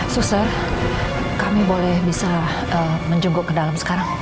suster kami boleh bisa menjenguk ke dalam sekarang